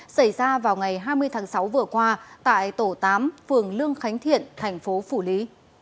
xảy ra vào ngày hai mươi tháng sáu vừa qua tại tổ tám phường lương khánh thiện thành phố phủ lý